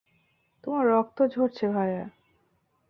তোমার রক্ত ঝরছে, ভায়া।